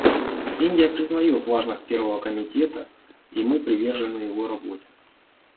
Индия признает важность Первого комитета, и мы привержены его работе.